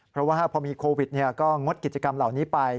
เพราะว่าพอมีโควิดก็งดกิจกรรมเหล่านี้ไป